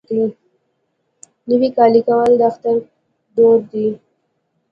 نوی کالی کول د اختر دود دی.